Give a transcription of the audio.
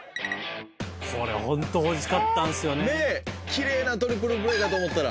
「きれいなトリプルプレーかと思ったら」